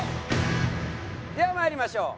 ではまいりましょう。